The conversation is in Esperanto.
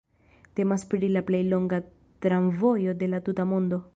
Temas pri la plej longa tramvojo de la tuta mondo.